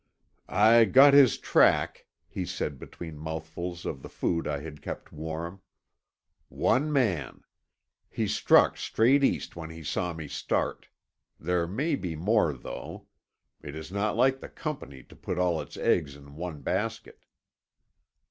"I got his track," he said between mouthfuls of the food I had kept warm. "One man. He struck straight east when he saw me start. There may be more though. It is not like the Company to put all its eggs in one basket."